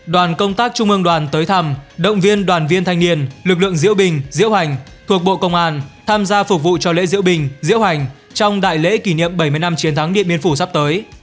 đoàn công tác trung ương đoàn tới thăm động viên đoàn viên thanh niên lực lượng diễu bình diễu hành thuộc bộ công an tham gia phục vụ cho lễ diễu bình diễu hành trong đại lễ kỷ niệm bảy mươi năm chiến thắng điện biên phủ sắp tới